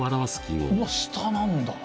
うわっ下なんだ。